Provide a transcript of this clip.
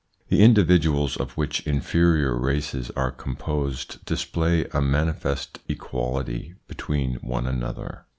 The individuals of which inferior races are com posed display a manifest equality between one another.